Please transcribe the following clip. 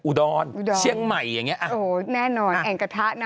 อุดรเชียงใหม่อย่างนี้อ่ะอุดรโอ้แน่นอนแอ่งกระทะนะ